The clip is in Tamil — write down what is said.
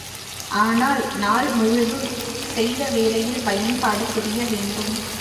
ஆனால், நாள் முழுதும் செய்த வேலையில் பயன்பாடு தெரியவேண்டும்.